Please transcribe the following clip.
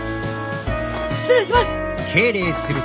失礼します！